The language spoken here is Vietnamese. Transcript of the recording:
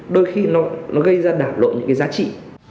đôi khi nó gây ra đảm lộ những giá trị